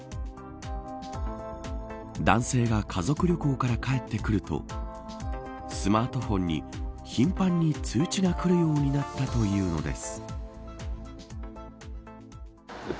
男性が家族旅行から帰ってくるとスマートフォンに頻繁に通知が来るようになったというのです。